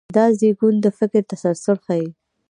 دا زېږون د فکر تسلسل ښيي.